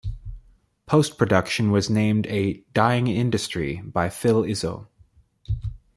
Post-production was named a "dying industry" by Phil Izzo.